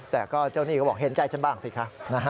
แต่ก็เจ้าหนี้ก็บอกเห็นใจฉันบ้างสิคะ